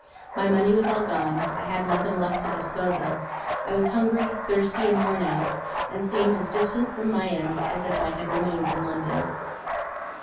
My money was all gone, I had nothing left to dispose of; I was hungry, thirsty, and worn out; and seemed as distant from my end as if I had remained in London.